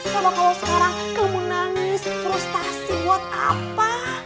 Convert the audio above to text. kalau kalau sekarang kamu nangis frustrasi buat apa